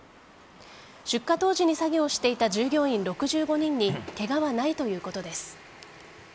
出火当時に作業していた従業員６５人にケガはないということです。